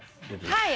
はい。